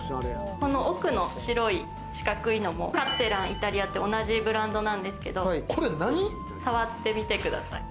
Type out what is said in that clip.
この奥の白い四角いのもカッテランイタリアって同じブランドなんですけど、触ってみてください。